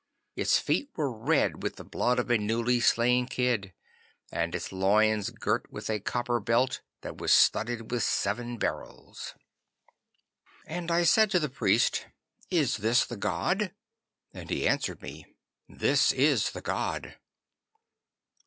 Its feet were red with the blood of a newly slain kid, and its loins girt with a copper belt that was studded with seven beryls. 'And I said to the priest, "Is this the god?" And he answered me, "This is the god."